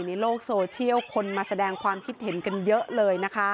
ในโลกโซเชียลคนมาแสดงความคิดเห็นกันเยอะเลยนะคะ